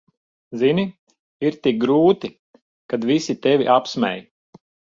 Zini, ir tik grūti, kad visi tevi apsmej.